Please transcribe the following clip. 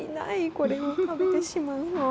これを食べてしまうのは。